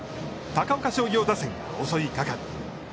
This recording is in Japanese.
高岡商業打線が襲いかかる。